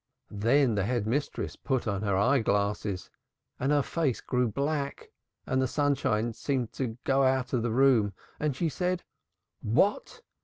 Then the Head Mistress put on her eye glasses and her face grew black and the sunshine seemed to go out of the room. And she said 'What!